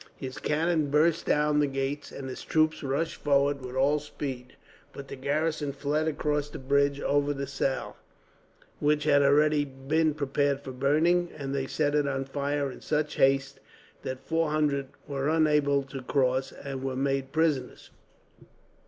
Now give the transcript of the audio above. His cannon burst down the gates, and his troops rushed forward with all speed; but the garrison fled across the bridge over the Saale, which had already been prepared for burning; and they set it on fire in such haste that four hundred were unable to cross, and were made prisoners.